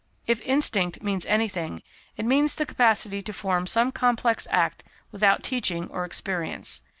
If instinct means anything, it means the capacity to perform some complex act without teaching or experience.